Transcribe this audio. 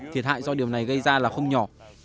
thiệt hại do điều này gây ra là không nhỏ